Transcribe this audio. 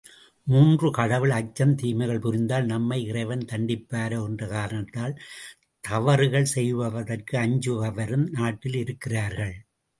மூன்று கடவுள் அச்சம் தீமைகள் புரிந்தால் நம்மை இறைவன் தண்டிப்பாரே என்ற காரணத்தால் தவறுகள் செய்வதற்கஞ்சுபவரும் நாட்டில் இருக்கிறார்கள்.